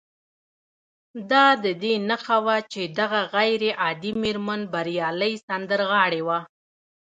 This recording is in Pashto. دا د دې نښه وه چې دغه غير عادي مېرمن بريالۍ سندرغاړې وه